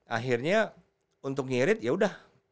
akhirnya untuk nyirit yaudah